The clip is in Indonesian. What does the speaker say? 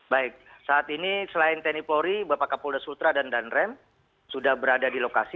baik saat ini selain teni polri bapak kapoldo sutra dan dan rem sudah berada di lokasi